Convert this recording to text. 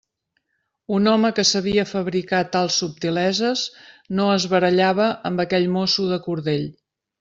Un home que sabia fabricar tals subtileses no es barallava amb aquell mosso de cordell.